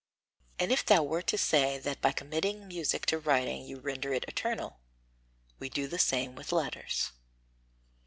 And if thou wert to say that by committing music to writing you render it eternal, we do the same with letters.